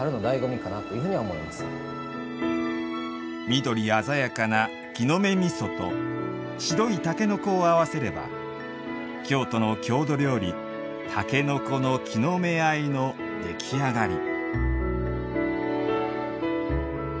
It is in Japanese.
緑鮮やかな、木の芽みそと白いたけのこを合わせれば京都の郷土料理「たけのこの木の芽あえ」の出来上がり。